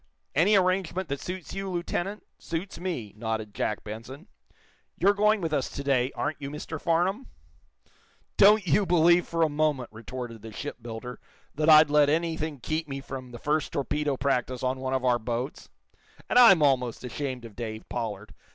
"Any arrangement that suits you, Lieutenant, suits me," nodded Jack Benson. "You're going with us to day, aren't you, Mr. Farnum?" "Don't you believe, for a moment," retorted the shipbuilder, "that I'd let anything keep me from the first torpedo practice on one of our boats. And I'm almost ashamed of Dave Pollard.